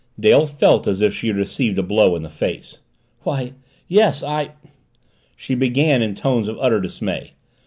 Dale felt as if she had received a blow in the face. "Why, yes I " she began in tones of utter dismay.